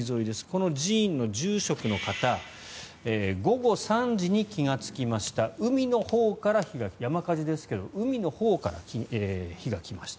この寺院の住職の方午後３時に気がつきました海のほうから火が来ました。